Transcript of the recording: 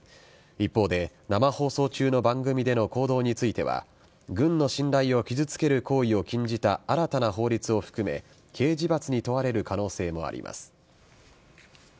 一方で、生放送中の番組での行動については、軍の信頼を傷つける行為を禁じた新たな法律を含め、刑事罰に問われる可能性もあります。